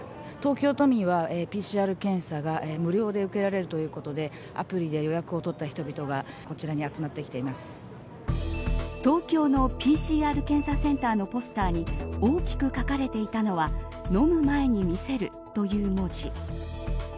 東京都民はＰＣＲ検査が無料で受けられるということでアプリで予約を取った人々が東京のＰＣＲ検査センターのポスターに大きく書かれていたのは飲む前に見せるという文字。